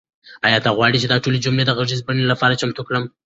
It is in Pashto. آیا ته غواړې چې دا ټولې جملې د غږیزې بڼې لپاره چمتو کړم؟